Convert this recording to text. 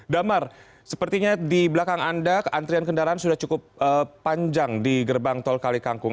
damar sepertinya di belakang anda antrian kendaraan sudah cukup panjang di gerbang tol kalikangkung